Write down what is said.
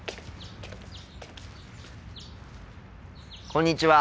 こんにちは。